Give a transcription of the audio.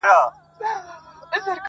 له یوه کلي تر بل به ساعتونه -